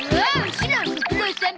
シロご苦労さん！